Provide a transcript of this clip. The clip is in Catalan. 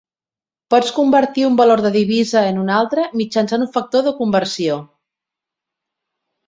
Pots convertir un valor de divisa en un altre mitjançant un factor de conversió.